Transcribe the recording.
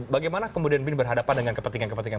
bagaimana kemudian bin berhadapan dengan kepentingan kepentingan